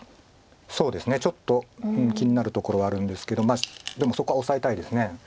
そうですねちょっと気になるところはあるんですけどまあでもそこはオサえたいです。